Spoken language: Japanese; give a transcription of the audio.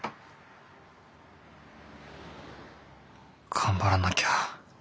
頑張らなきゃ。